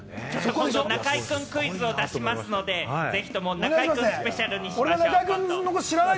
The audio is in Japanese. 今度、中居君クイズ出しますので、今度、中居君スペシャルにしましょう！